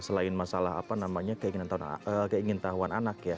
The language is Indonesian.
selain masalah apa namanya keinginan tahuan anak ya